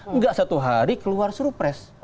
enggak satu hari keluar suruh pres